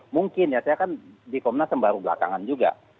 mungkin ya saya kan di komnas sembaruh belakangan juga